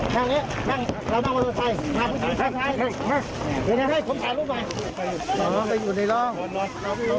สุดท้ายสุดหลงหลงหลง